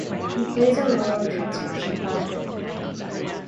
He plays a role of transcription factor.